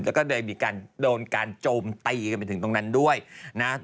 แล้วก็เลยมีการโดนการโจมตีกันไปถึงตรงนั้นด้วยนะ